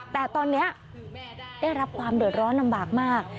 แต่ตอนนี้ได้รับความเดือดร้อนลำบากมาก